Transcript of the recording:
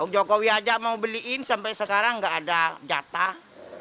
jokowi aja mau beliin sampai sekarang nggak ada jatah